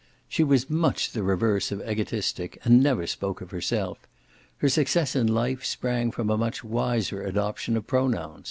She was the reverse of egotistic and never spoke of herself; her success in life sprang from a much wiser adoption of pronouns.